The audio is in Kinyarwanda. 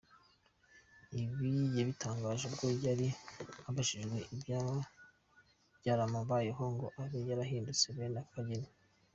Ibi yabitangaje ubwo yari abajijwe ibyaba byaramubayeho ngo abe yarahindutse bene aka kageni.